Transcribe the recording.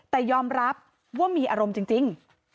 แต่ยอมรับว่ามีอารมณ์จริง